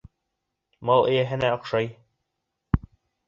Мал эйәһенә оҡшай.